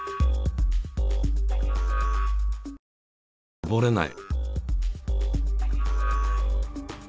こぼれない。